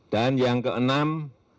dan yang keenam